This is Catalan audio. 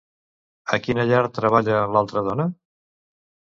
A quina llar treballa l'altra dona?